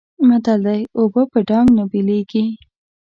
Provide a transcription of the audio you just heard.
متل دی: اوبه په ډانګ نه بېلېږي.